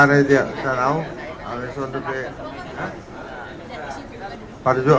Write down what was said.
padahal ada yang suatu aku takut aku takut